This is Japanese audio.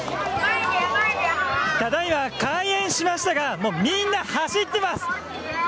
ただいま開園しましたが、もうみんな走ってます。